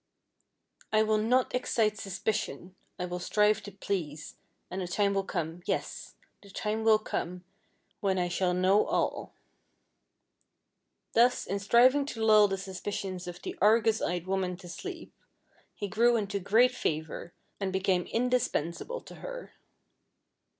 "I will not excite suspicion; I will strive to please; and a time will come, yes, the time will come, when I shall know all." Thus in striving to lull the suspicions of the Argus eyed woman to sleep, he grew into great favor, and became indispensable to her.